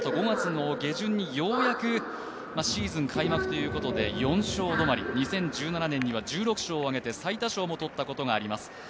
５月の下旬にようやくシーズン開幕ということで４勝止まり、２０１７年には１６勝も挙げて最多勝も取ったことがあります。